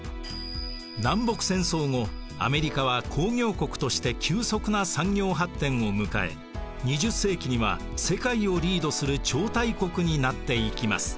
南北戦争後アメリカは工業国として急速な産業発展を迎え２０世紀には世界をリードする超大国になっていきます。